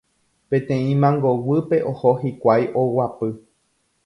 peteĩ mangoguýpe oho hikuái oguapy.